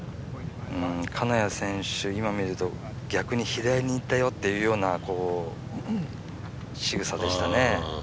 金谷選手、今見ると逆に左にいったよというようなしぐさでしたね。